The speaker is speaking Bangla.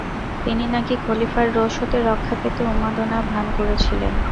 তিনি নাকি খলিফার রোষ হতে রক্ষা পেতে উন্মাদনার ভান করেছিলেন।